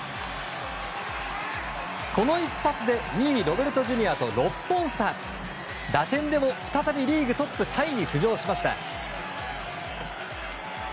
この一発で２位、ロベルトＪｒ．と６本差打点でも再びリーグトップタイに浮上しました。